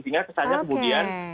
sehingga kesannya kemudian